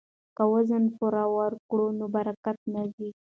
که وزن پوره ورکړو نو برکت نه ځي.